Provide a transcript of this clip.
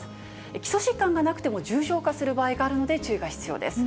基礎疾患がなくても重症化する場合があるので注意が必要です。